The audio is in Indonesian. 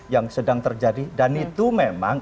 yang sedang terjadi dan itu memang